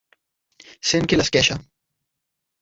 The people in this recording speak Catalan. Sent que l'esqueixa.